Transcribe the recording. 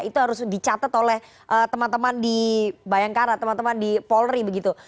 itu harus dicatat oleh teman teman di bayangkara teman teman di polri begitu